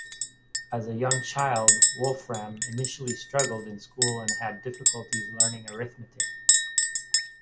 As a young child, Wolfram initially struggled in school and had difficulties learning arithmetic.